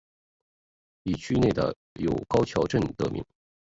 以区内有高桥镇得名。